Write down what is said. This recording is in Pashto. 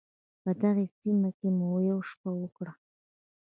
په دغې سیمه کې مو یوه شپه وکړه.